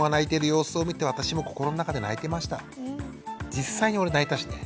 実際に俺泣いたしね。